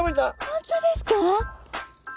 本当ですか？